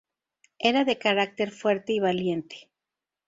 Era de carácter fuerte y valiente.